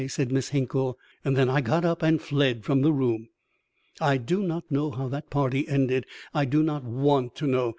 said Miss Hinkle. And then I got up and fled from the room. I do not know how that party ended. I do not want to know.